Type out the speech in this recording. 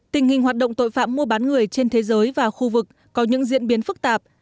trong hoạt động tội phạm mùa bán người trên thế giới và khu vực có những diễn biến phức tạp